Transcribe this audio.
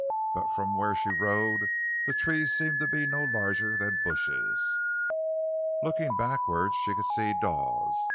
But from where she rode the trees seemed to be no larger than bushes. Looking backward, she could see Dawes.